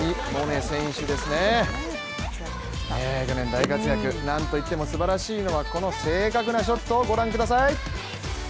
去年大活躍、なんといってもすばらしいのはこの正確なショット、ご覧ください。